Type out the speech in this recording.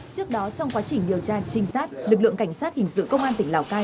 trước đó trong quá trình điều tra trinh sát lực lượng cảnh sát hình sự công an tỉnh lào cai